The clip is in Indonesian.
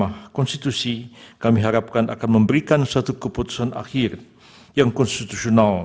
dan umum ke mahkamah konstitusi kami harapkan akan memberikan satu keputusan akhir yang konstitusional